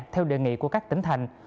theo đề nghị của các tỉnh thành